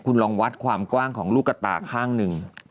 คุณลองวัดความกว้างของลูกกระตาข้างหนึ่ง